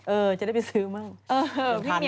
เออจะได้ไปซื้อบ้างเออพี่เหนียว